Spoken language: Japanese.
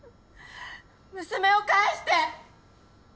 娘を返して！